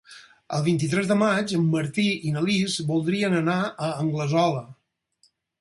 El vint-i-tres de maig en Martí i na Lis voldrien anar a Anglesola.